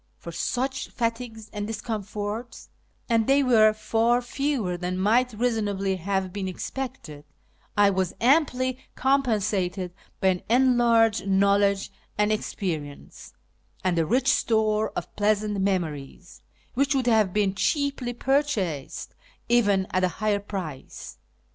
For such fatigues and discomforts (and they were far fewer than might reasonably have been expected) I was amply compen sated by an enlarged knowledge and experience, and a rich store of pleasant memories, which would have been cheaply purchased even at a higher price.